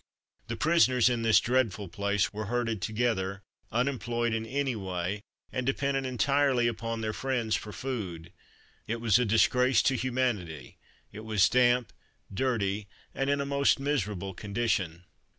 The prisoners in this dreadful place, were herded together, unemployed in any way, and dependent entirely upon their friends for food. It was a disgrace to humanity. It was damp, dirty, and in a most miserable condition.